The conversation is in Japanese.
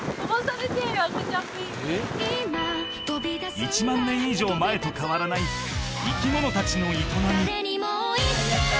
１万年以上前と変わらない生き物達の営み